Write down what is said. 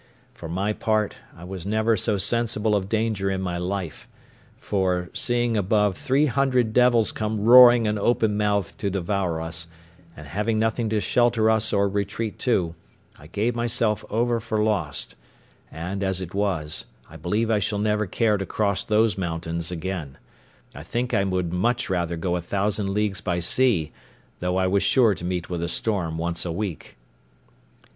For my part, I was never so sensible of danger in my life; for, seeing above three hundred devils come roaring and open mouthed to devour us, and having nothing to shelter us or retreat to, I gave myself over for lost; and, as it was, I believe I shall never care to cross those mountains again: I think I would much rather go a thousand leagues by sea, though I was sure to meet with a storm once a week.